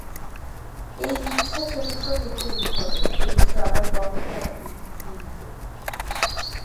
এই ইচ্ছা চরিত্র হইতে উদ্ভূত, চরিত্র আবার কর্মদ্বারা নির্মিত।